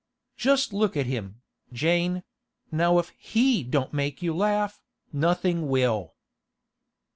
Just look at him, Jane; now if he don't make you laugh, nothing will!